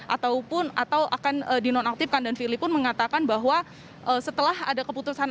ataupun akan dinonaktifkan dan firly pun mengatakan bahwa setelah ada keputusan